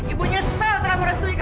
ibu nyesal terlalu restrikan